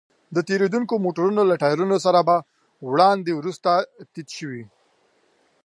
د تېرېدونکو موټرو له ټايرونو سره به وړاندې وروسته تيت شوې.